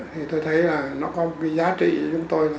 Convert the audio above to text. thì tôi thấy là nó có cái giá trị của chúng tôi